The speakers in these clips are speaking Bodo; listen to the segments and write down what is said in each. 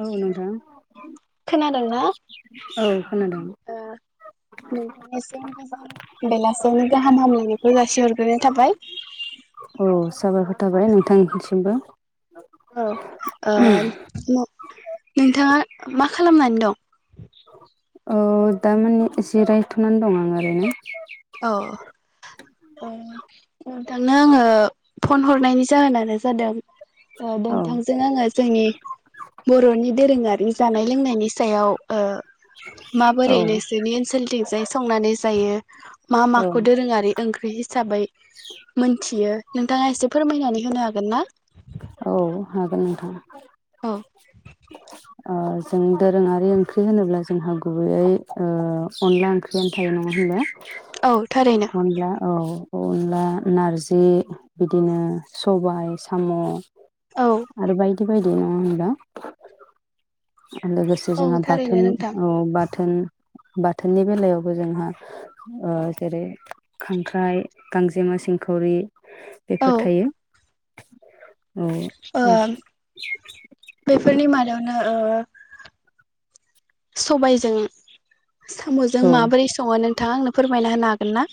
औ नोंथां खोनादोंना? औ खोनादों। ओ नोंथांनिसिम गोजां बेलासियावनो गाहाम हामलायनायखौ जासिहरग्रोनाय थाबाय। औ साबायखर थाबाय नोंथांसिमबो। आम फु नोंथाङा मा खालामनानै दं? औ दा माने एसे जिरायथ'नानै दं आं ओरैनो। औ। ओ नोंथांनो आङो फन हरनायनि जाहोनानो जादों ओ औ नोंथांजों आङो जोंनि बर'नि दोरोङारि जानाय लोंनायनि सायाव ओ औ माबोरै नोंसोरनि ओनसोलथिंजाय संनानै जायो। मा औ माखौ दोरोङारि ओंख्रि हिसाबै मोनथियो नों थाङा एसे फोरमायनानै होनो हागोन ना? औ हागोन नोंथां। [inaudible] ओ जों दोरोङारि ओंख्रि होनोब्ला जोंहा गुबैयै ओ अनला ओंख्रियानो थायो नङा होनब्ला। औ थारैनो अनला औ अनला नारजि बिदिनो सबाय साम' औ आरो बायदि बाय नुनो मोनदों। ओ लोगोसे औ जोंहा बाथोन थारैनो नोंथां औ बा थोन बाथोननि बेलायावबो जोंहा ओ जेरै खांख्राइ गांजेमा सिंखावरि। औ बेफोर थायो। औ ओ बेफोरनि मादावनो ओ सबायजों साम'जों औ माबोरै सङो नों थाङा आंनो फोरमायना होनो हागोन ना?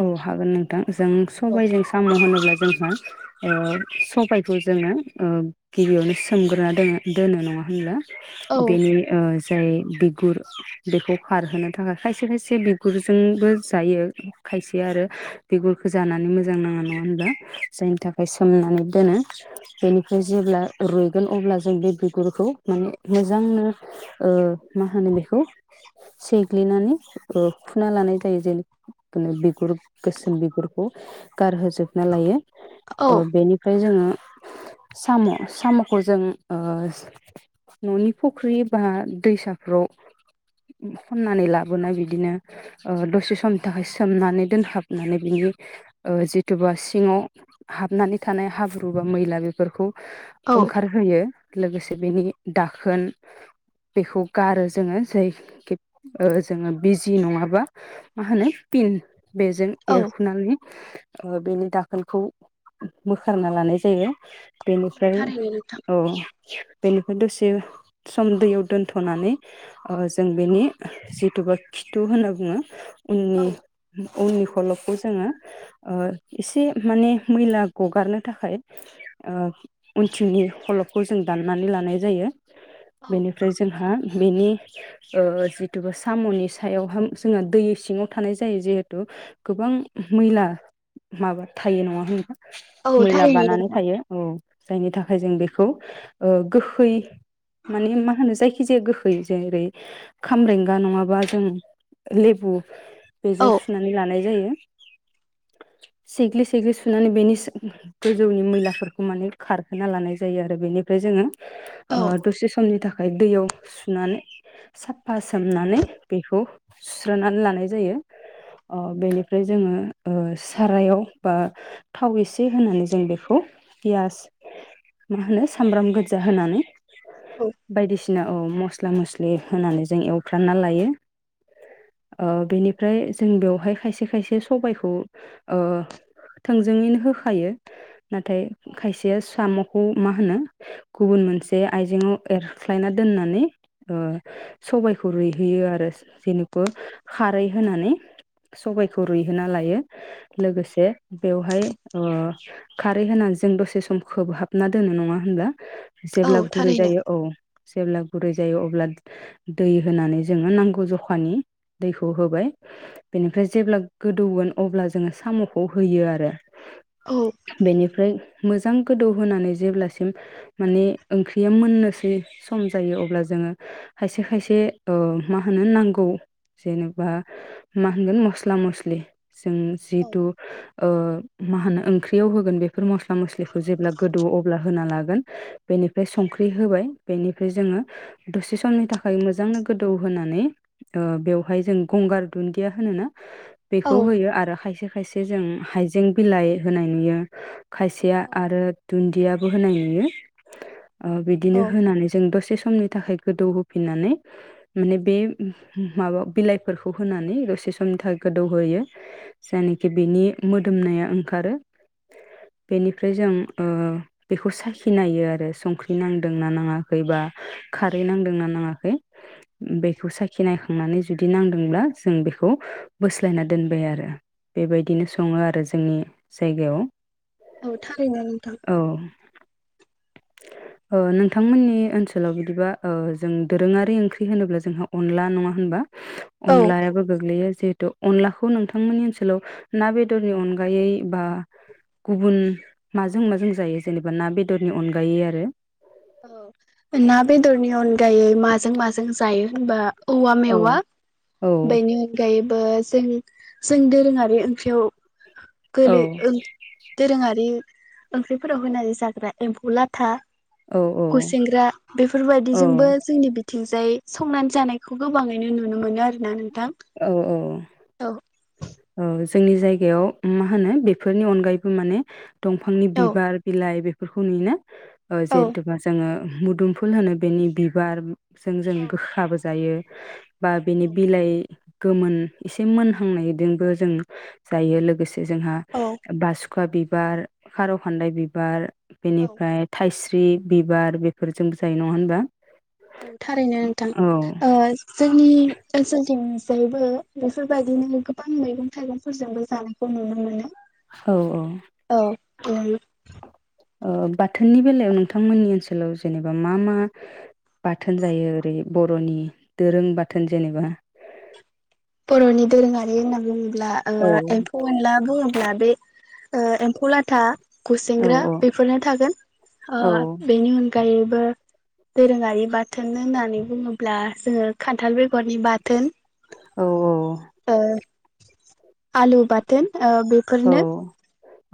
औ हागोन नोंथां जों औ सबबायजों साम' होनोब्ला जोंहा ओ सबायखौ जोङो ओ गिबियावनो सोमग्रोना दो दोनो नङा होनब्ला। औ बेनि ओ जाय बिगुर बेखौ खारहोनो थाखाय खायसे खायसे बिगुरजोंबो जायो। खायसेया आरो बिगुरखौ जानानै मोजां नाङा नङा होनब्ला जायनि थाखाय सोमनानै दोनो बेनिफ्राय जेब्ला रुइ गोन अब्ला जों बे बिगुरखौ माने मोजांनो ओ मा होनो बेखौ सैग्लिनानै ओ खुना लानाय जायो जेरै बिगुर गोसोम बिगुरखौ गारहोजोबना लायो। ओ औ बेनिफ्राय जोङो साम' साम'खौ जों ओ न'नि फख्रि बा दैसाफ्राव खननानै लाबोनाय बिदिनो ओ दसे समनि थाखाय सो सोमनानै दोनहाबनानै बिनि ओ जिथुबा सिङाव हाबनानै थानाय हाब्रु बा मैला बेफोरखौ औ ओंखारहोयो लोगोसे बेनि दाखोन बेखौ गारो जोङो जायखि जोङो बिजि नङाबा मा होनो फिन बेजों औ एरखुनानै बेनि दाखोनखौ बोखारना लानाय जायो बेनिफ्राय थारैनो नोंथां औ बेनिफ्राय दसे सम दैयाव दोनथ'नानै जों बेनि जिथु बा खिथु होनना बुङो उननि औ उननि खलबखौ जोङो एसे माने मैला गगारनो थाखाय उनथिंनि खलबखौ जों दाननानै लानाय जायो औ बेनिफ्राय जोंहा बेनि जिथुुबा साम'नि सायावहा जोंहा दै सिङाव थानाय जायो जिहेथु गोबां मैला माबा थायो नङा होनबा औ मैला थारैनो बानानै नोंथां थायो औ जायनि थाखाय जों बेखौ ओ गोखै माने मा होनो जायखि खिजाया गोखै जेरै खाम्रेंगा नङाबा जों लेबु बेजों औ सुनानै लानाय जायो सेग्लि सेग्लि सुनानै बेनि गोजौनि मैलाफोरखौ माने खारहोना लानाय जायो आरो बेनिफ्राय जोङो आ औ दसे समनि थाखाय दैयाव सुनानै साफा सोमनानै बेखौ सुस्रनानै लानाय जायो बेनिफ्राय जोङो सारायाव बा थाव एसे होनानै जों बेखौ पियास मा होनो सामब्राम गोजा होनानै औ बायदिसिना औ मस्ला मस्लि होनानै जों एवफ्रानना लायो बेनि ओमफ्राय जों बेवहाय खायसे खायसे सबायाइखौ थोंजोङैनो होखायो नाथाय खायसेया साम खौ मा होनो गुबुन मोनसे आइजेंआव एरस्लायना दोननानै सबाइखौ ओ रुयहैयो आरो जेनेखु खारै होनानै सबबायखौ रुइहोना लायो लोगोसे बेवहाय खारै होनानै जों दसे सम खोबहाबना दोनो नङा होनब्ला औ जेब्ला गुरै थारैनो जायो औ जेब्ला गुरै जायो अब्ला दै होनानै जोङो नांगौ जखानि दैखौ होबाय बेनिफ्राय जेब्ला गोदौगोन अब्ला जोङो साम'खौ होयो आरो औ बेनिफ्राय मोजां गोदौ होनोनानै जेब्लासिम माने ओंख्रिया मोननोसै सम जायो अब्ला जोङो खायसे खायसे मा होनो नांगौ जेनेबा मा होनगोन मस्ला मसलि जों औ जिहेथु मा होनो ओंख्रियाव होगोन बे बेफोर मस्ला मस्लिखौ जेब्ला गोदौ अब्ला होना ला बेनिफ्राय संख्रि होबाय बेनिफ्राय जोङो दसे समनि थाखाय मोजांनो गोदौ होनानै बेवहाय जों गंगार दुन्दिया होनोना बेखौ औ होयो आरो खायसे खायसे से जों हायजें बिलाइ होनाय नुयो खायसेया आरो दुन्दियाबो होनाय नुयो ओ बिदिनो होनानै जों दसे समनि थाखाय गोदौ होफिनानै माने बे माबा बिलाइ फोरखौ होनानै दसे समनि थाखाय गोदौहोयो जायनाखि बेनि मोदोमनाया ओंखारो बेनिफ्राय जों ओ बेखौ साखिनायो आरो संख्रि नांदोंना नाङाखै बा खारै नांदोंना नाङाखै बेखौ साखि नायखांनानै जुदि नांदोंब्ला जों बेखौ बोस्लायना दोनबाय आरो बेबायदिनो सङो आरो जोंनि जायगायाव औ थारैनो नोंथां अ नोंथांमोननि ओनसोलाव बिदिबा ओ जों दोरोङारि ओंख्रि होनोब्ला जोंहा अनला नङा होनबा औ अनलायाबो गोग्लैयो जे थ अनलाखौ नोंथांमोननि ओनसोलाव ना बेदरनि अनगायै बा गुबुन माजों माजों जायो जेनेबा ना बेदरनि अनगायै आरो औ ना बेदरनि अनगायै माजों माजों जायो होनबा औवा औ मेवा औ बेनि अनगायै ओ जों जों दोरोङारि ओंख्रियाव औ गोलि ओ दोरोङारि ओंख्रिफोराव होनानै जाग्रा एम्फौ लाथा औ खुसेेंग्रा बेफोरबायदिजोंबो औ जोंनि बिथिंजाय संनानै जानायखौ गोबाङैनो नुनो मोनो आरोना नों औ औ औ जोंनि जायगायाव मा होनो बेफोरनि अनगायैबो माने दंफांनि औ बिबार बिलाइ बे फोरखौ नुयोना औ जेहेथुबा जोङो मुदुमफुल होनो बेनि बिबार जों जों औ गोखाबो जायो [inaudible] बा बिनि बिलाइ गोमोन एसे मोनहांनायदोंबो जों जायो लोगोसे जोंहा औ बास खुंखा बिबार खारौ खान्दाय बिबार औ बेनिफ्राय थाइस फ्रि बिबार बेफोरजोंबो जायो नङा होनबा। औ थारैनो नोंथां औ ओ जोंनि ओनसोलथि जायबो बेफोरबायदिनो गोबां मैगं थाइगंफोरजोंबो जानायखौ नुनो औ मोनो। औ नुयो। ओ बाथोननि बेलायाव नोंथांमोननि ओनसोलाव जेनेबा मा मा बाथोन जायो ओरै बर'नि दोरों बाथोन जेनेबा बर' नि दोरोंङारि होनना अब्ला ओ औ एम्फौ एनला बुङोब्ला बे ओ एम्फौ लाथा। औ गुसेेंग्रा बेफोरनो थागोन औ ओ बेनि उन अनगायैबो दोरोङारि बाथोन होननानै बुङोब्ला जोङो खान्थाल बेगरनि बाथोन औ औ। ओ आलु बाथोन ओ औ बेफोरनो।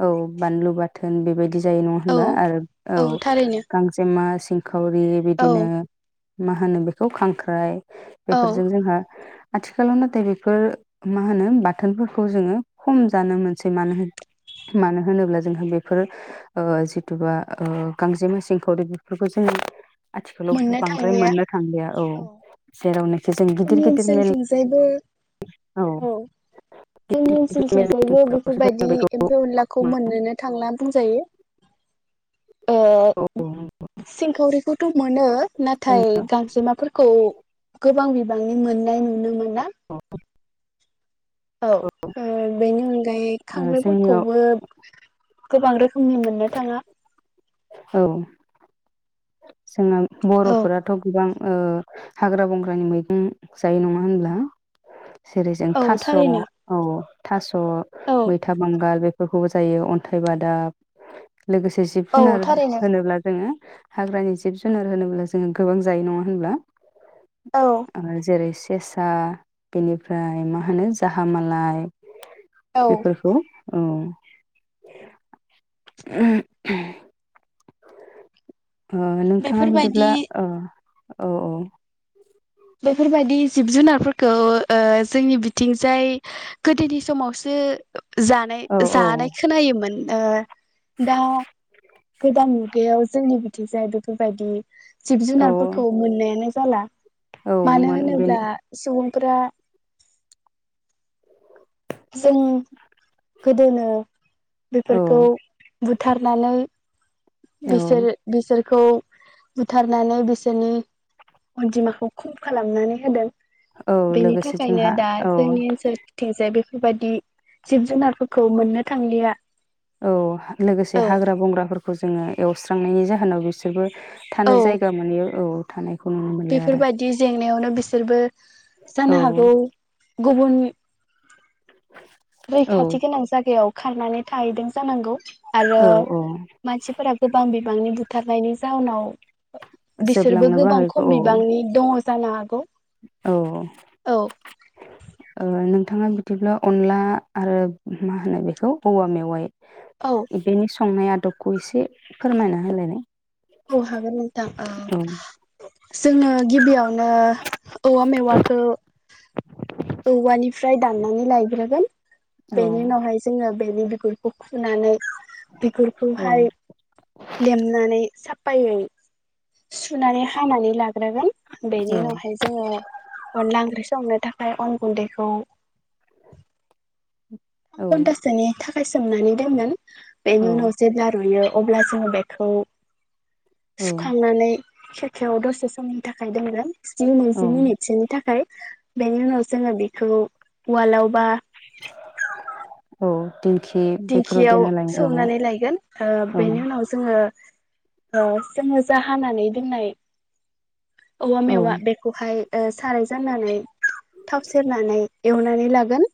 औ बानलु बाथोन बेबायदि जायो नङा औ होनबा आरो औ गांजेमा सि फावरि औ बिदिनो मा होनो बेखौ खांख्राइ औ बेफोरजों जोंहा आथिखालाव नाथाय बेफोर मा होनो बाथोनफोरखौ जोङो खम जानो मोन सै मानो होनोब्ला जोंहा बेफोर ओ जिथुबा ओ गांजेमा सिंखावरि बेफोरखौ जोङो आथिखालाव मोननो बांद्राय थांलिया मोननो थांलिया औ जेरावनो जोंनि ओनसोलथिंजायबो औ। जोंनि मेल ओनसोलथिंजायबो मिथिंफोरावसो जों बेफोरबायदि बेखौ एम्फौ अनलाखौ मोनो मोननोनो थांना बुंजायो। औ ओ सिंखावरिखौथ' मोनो नाथाय गांजेमाफोरखौ गोबां बि गोबांनि मोननाय नुनो मोना। औ। औ ओ बेनि अनगायै जोंनियाव खांख्रैफोरखौबो गोबां रोखोमनि मोननो थाङा। औ। जोंना औ बर'फोराथ' गोबां ओ हाग्रा बंग्रानि मैगं जायो नङा होनब्ला? जेरै जों औ थास' थारैनो औ थास' औ मैथा बांगाल बे फोरखौबो जायो अन्थाइ बादाब लोगोसे जिब औ जुनार थारैनो होनोब्ला जोङो। हाग्रानि जिब जुनार होनोब्ला जोङो गोबां जायो नङा होनब्ला। औ आरो जेरैखि। केेसा बेनिफ्राय मा होनो जाहा मालाय। औ बेफोरखौ औ [unintelligible] [unintelligible] ओ नोंथाङा बिदिब्ला। बेफोरबायदि औ औ। बेफोरबायदि जिब जुनारफोरखौ जोंनि बिथिंजाय गोदोनि समावसो। जानाय औ औ जानाय खोनायोमोन। ओ दा गोदान मुगायाव जोंनि बिथिं जाय बेफोरबायदि। जिब औ जुनारफोरखौ मोननायानो जाला। औ मानो मोन बेनि होनोब्ला सुबुं [unintelligible] गोदोनो औ बेफोरखौ बुथारनानै औ बिसोर बिसोर खौ बुथारनानै बिसोरनि अनजिमाखौ खम खालामनानै होदों। औ बेनि लोगोसे थाखायनो जोंहा दा औ जोंनि ओनसोल थिंगजाय बेफोर बेफोरबायदि। जिब जुनारफोरखौ मोननो थांलिया। औ लोगोसे औ हाग्रा बंग्राफोरखौ जोङो एवस्रांनायनि जाहोनाव बिसोरबो औ थानो जायगा मोनैयाव औ थानाय बेफोरबायदि जेंनायावनो बिसोर बेफोर। औ जानो हागौ। गुबुन। औ रैखाथि गोनां जागायाव खारनानै थाहैदों जानांगौ आरो औ औ मानसिफोरा गोबां बिबांनि बुथ बुथारनायनि जाहुनाव बिसोरबो जोबलांनोबो गोबां खम बिबांनि दङ जानो हागौ औऔ औ ओ नों थाङा बिदिब्ला अनला आरो मा होनो बेखौ औवा मेवाय औ बेनि संनाया दपखौ एसे फोरमायना होलायनाय औ हागोन नोंथां औ ओ जोंनो गिबियाव नो औवा मेवाखौ औवानिफ्राय दाननानै लायग्रोगोन औ बेनि उनावहाय जोङो बेनि बिगुरखौ फुनानै औ बिगुरखौहाय लेमनानै साब फायै सुनानै हानानै लाग्रोगोन बेनि उनावहाय जोङो अनला ओंख्रि सोमनो थाखा मफ्राय अन गुन्दैखौ थाम औ खनथासे थां फायसोमनानै दोनमोन औ बेेनिउनाव जेब्ला रुयो अब्ला जोङो बेखौ सुखांनानै खेरखायाव दसे समनि थाखाय दोनगोन स्नि औ मोनजि मिनिटसोनि थाखाय बेनि उनाव जोङो बेखौ उवालावबा [unintelligible] औ दिंखि बेफोराव दिंखियाव देना लायो सौनानै लायगोन अ औ बेनि उनाव जोङो औ जोङो जा हानानै दोननाय औवा औ मेवा बेखौहाय ओ साराय जाननानै थाव सेरनानै एवनानै लागोन।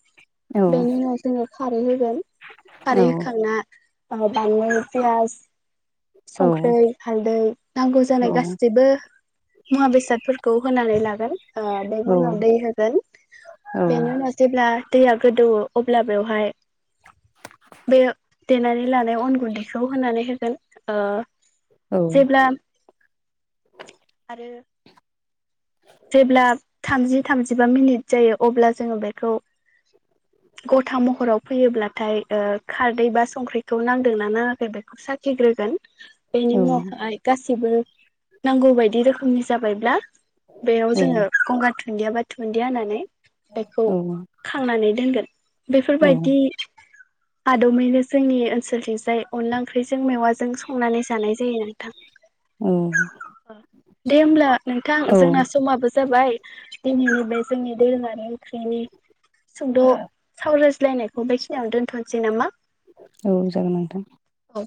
औ बेनि उनाव जोङो खारै होगोन। औ खारैहोखांना बानलु, फियास, औ संख्रै, हालदै, नांगौ जानाय गाैसैबो मुवा बेसादफोरखौ होनानै ला गोन। ओ बेनि औ उनाव दै होगोन। बेनि उनाव जेब्ला दैया गोदौवो अब्ला बेवहाय बे देनानै लानाय अन गुन्दैखौ होनानै होगोन। ओ जेब्ला आरो जेब्ला थामजि थामजिबा मिनिट जायो अब्ला जोङो बेखौ गथा महराव फैयोब्लाथाय ओ खारदै बा संख्रिखौ नांदोंना नाङाखै बेखौ साखिग्रोगोन। बेनि उनाव आहाइ गासै सिबो नांगौ बायदि रोखोमनि जाबायब्ला बेयाव जोङो गंगार दुन्दियाबा थुन्दि होनानै बेखौ खांनानै दोनगोन। औ बेफोरबायदि आदबैनो जोंनि ओ सोलथिंजाय अनला ओंख्रिजों मेवाय जों संनानै जानाय जायो नोंथां। दे हब्ला नोंथां जोंना औ समाबो जाबाय दिनैनि बे जोंनि दोरोङारि ओंख्रिनि सुंद' सावराय थिलायनायखौ बेखिनियाव दोनथ'नोसै नामा? औ जागोन नोंथां। औ